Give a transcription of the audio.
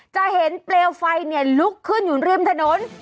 จะเห็นเปลวไฟลุกขึ้นอยู่ริมถนน